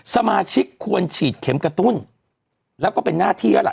สมาชิกควรฉีดเข็มกระตุ้นแล้วก็เป็นหน้าที่แล้วล่ะ